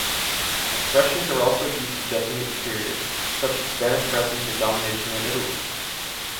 Expressions are also used to designate the period, such as Spanish presence or domination in Italy.